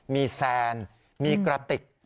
มีแซนมีกระติก